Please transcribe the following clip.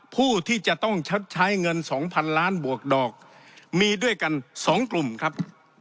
ผู้ที่จะต้องชดใช้เงิน๒๐๐๐ล้านบวกดอกมีด้วยกัน๒กลุ่มครับ